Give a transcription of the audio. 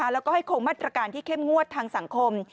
แล้วก็ให้คงมาตรการที่เข้มงวดทางสังคม